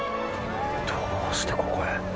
どうしてここへ？